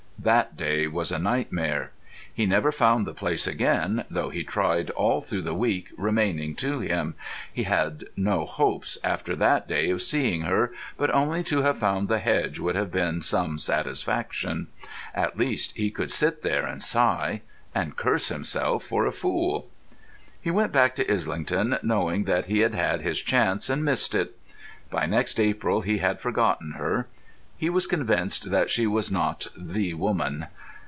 That day was a nightmare. He never found the place again, though he tried all through the week remaining to him. He had no hopes after that day of seeing her, but only to have found the hedge would have been some satisfaction. At least he could sit there and sigh—and curse himself for a fool. He went back to Islington knowing that he had had his chance and missed it. By next April he had forgotten her. He was convinced that she was not the woman.